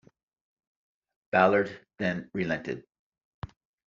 Ballard then relented.